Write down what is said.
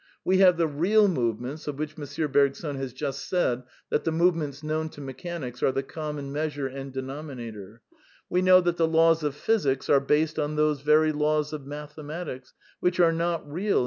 We have the " real '' movements of which M. Bergson has just said that the movements known to mechanics are the common measure and denominator; we know that the laws of physics are based on those very laws of mathematics which are not real in M.